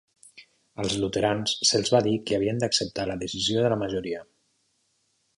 Als luterans se'ls va dir que havien d'acceptar la decisió de la majoria.